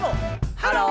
ハロー！